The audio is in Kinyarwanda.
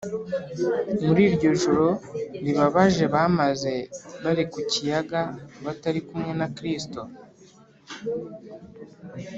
muri iryo joro ribabaje bamaze bari ku kiyaga batari kumwe na kristo,